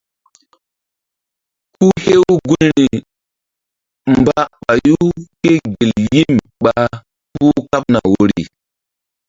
Ku hew gunri mba ɓayu kégel yim ɓa puh kaɓna woyri.